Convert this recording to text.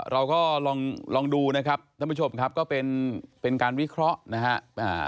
เราก็ลองดูนะครับท่านผู้ชมครับก็เป็นการวิเคราะห์นะครับ